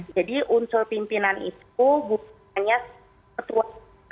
jadi unsur pimpinan itu bukannya ketua